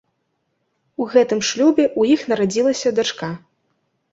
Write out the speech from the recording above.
У гэтым шлюбе ў іх нарадзілася дачка.